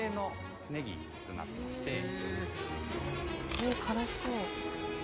えっ辛そう。